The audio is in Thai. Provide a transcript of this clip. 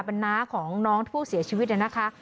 เป็นน้าของน้องผู้เสียชีวิตเนี่ยนะคะ